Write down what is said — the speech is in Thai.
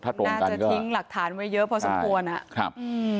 ถ้าตรงกันก็น่าจะทิ้งหลักฐานไว้เยอะพอสมควรอ่ะครับ